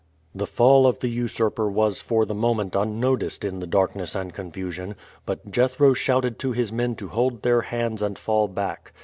The fall of the usurper was for the moment unnoticed in the darkness and confusion, but Jethro shouted to his men to hold their hands and fall back.